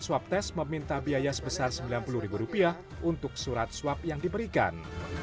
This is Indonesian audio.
swab tes meminta biaya sebesar rp sembilan puluh untuk surat swab yang diberikan